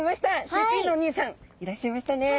飼育員のおにいさんいらっしゃいましたね。